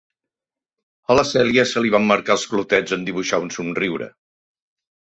A la Cèlia se li van marcar els clotets en dibuixar un somriure.